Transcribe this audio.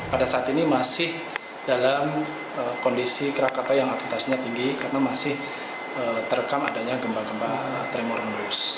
pada saat ini masih dalam kondisi rakatau yang atletasnya tinggi karena masih terekam adanya gempa gempa tremor yang terus